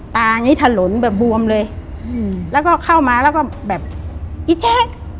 อย่างนี้ถลนแบบบวมเลยอืมแล้วก็เข้ามาแล้วก็แบบอีแจ๊ก